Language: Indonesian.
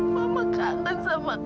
mama kangen sama kamu